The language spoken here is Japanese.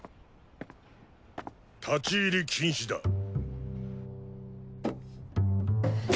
立ち入り禁止だ。